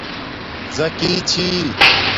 زَکی چھی